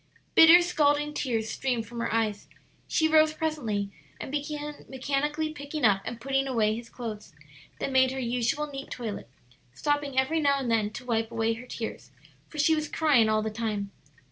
Bitter, scalding tears streamed from her eyes. She rose presently and began mechanically picking up and putting away his clothes, then made her usual neat toilet, stopping every now and then to wipe away her tears, for she was crying all the time.